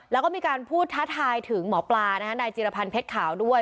แล้วก็มีการพูดท้าทายถึงหมอปลานายจิรพันธ์เพชรขาวด้วย